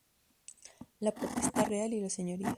La Potestad Real y los Señoríos".